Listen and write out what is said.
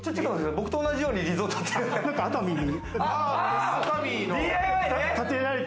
僕と同じようにリゾートって。